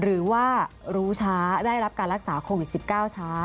หรือว่ารู้ช้าได้รับการรักษาโควิด๑๙ช้า